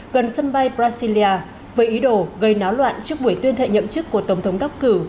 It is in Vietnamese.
gần sân bay brasilia với ý đồ gây náo loạn trước buổi tuyên thệ nhậm chức của tổng thống đắc cử